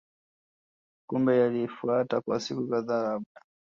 Kumbe yalifuata kwa siku kadhaa labda